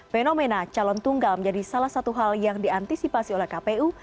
fenomena calon tunggal menjadi salah satu hal yang diantisipasi oleh kpu